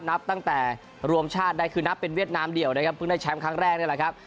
นับตั้งแต่รวมชาติได้คือนับเป็นเวียดนามเดี่ยวนะครับเพิ่งได้แชมป์ครั้งแรกนี่แหละครับ